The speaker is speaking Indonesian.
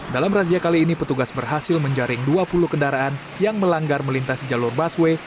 dalam razia kali ini petugas berhasil menjaring dua puluh kendaraan yang melanggar melintasi jalur busway